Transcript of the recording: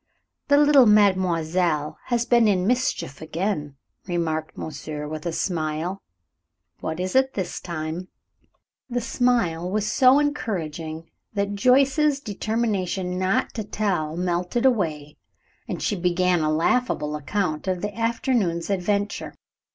"The little mademoiselle has been in mischief again," remarked monsieur, with a smile. "What is it this time?" The smile was so encouraging that Joyce's determination not to tell melted away, and she began a laughable account of the afternoon's adventure.